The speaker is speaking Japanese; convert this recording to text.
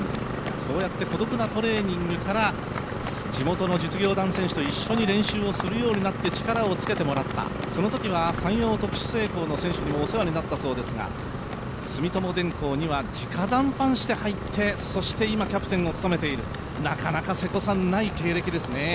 そうやって孤独なトレーニングから地元の実業団選手と一緒に練習をするようになって力をつけてもらった、そのときはいろいろな選手にお世話になったそうですが、住友電工には直談判して入ってそして今、キャプテンを務めているなかなか瀬古さん、ない経歴ですね